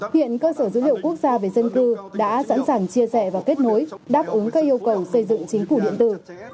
hiện cơ sở dữ liệu quốc gia về dân cư đã sẵn sàng chia sẻ và kết nối đáp ứng các yêu cầu xây dựng chính phủ điện tử